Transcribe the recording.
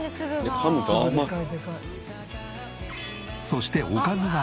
そしておかずが。